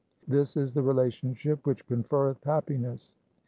This is the relationship which conferreth happiness.